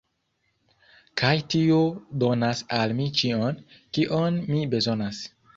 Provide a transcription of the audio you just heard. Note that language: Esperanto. kaj tio donas al mi ĉion, kion mi bezonas